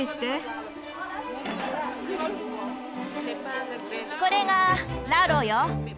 これがラロよ。